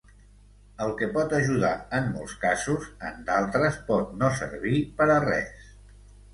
El que pot ajudar en molts casos, en d’altres pot no servir per a res.